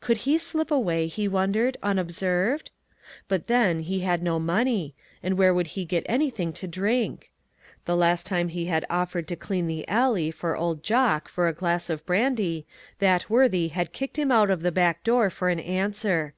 Could he slip away, he won dered, unobserved ? But then, he had no money, and where would he get anything to drink ? The last time he had offered to clean the alley for old Jock for a glass of brandy, that worthy had kicked him out of the back door for an answer.